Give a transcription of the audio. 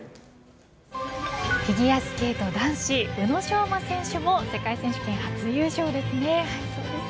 フィギュアスケート男子宇野昌磨選手も世界選手権初優勝ですね。